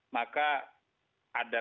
maka ada kemungkinan